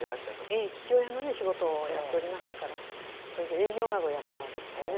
ええ父親の仕事をやっておりましたからそれで営業などやってたわけですよね。